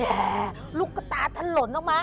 แต่ลูกตาถล่นออกมา